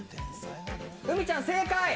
うみちゃん正解。